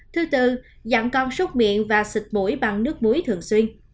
thứ tư dặn con xúc miệng và xịt mũi bằng nước muối thường xuyên